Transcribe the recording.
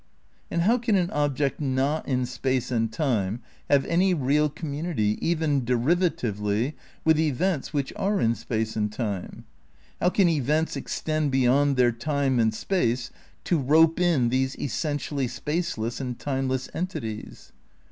And how can an object not in space and time have any real community, even derivatively, with events which are in space and time? How can events extend beyond their time and space to rope in these essentially spaceless and timeless entities